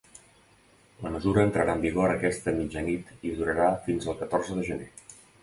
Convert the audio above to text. La mesura entrarà en vigor aquesta mitjanit i durarà fins el catorze de gener.